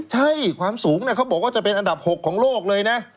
ใช่ความสูงเขาบอกว่าจะเป็นอันดับ๖ของโลกเลยนะ